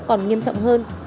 còn nghiêm trọng hơn